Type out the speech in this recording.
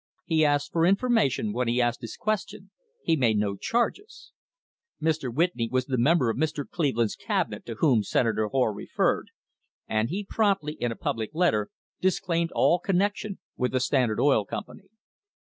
He asked for information when he asked his question; he made no charges. Mr. Whit ney was the member of Mr. Cleveland's Cabinet to whom Senator Hoar referred, and he promptly, in a public letter, disclaimed all connection with the Standard Oil Company.